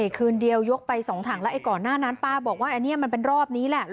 คืนเดียวยกไป๒ถังแล้วไอ้ก่อนหน้านั้นป้าบอกว่าอันนี้มันเป็นรอบนี้แหละ